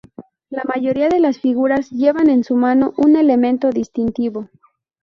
La mayoría de las figuras llevan en su mano un elemento distintivo.